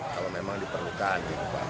kalau memang diperlukan